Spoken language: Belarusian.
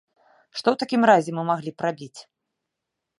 Што ў такім разе мы маглі б рабіць?